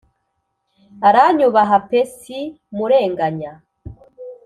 aranyubaha pe si murenganya